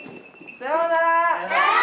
さようなら！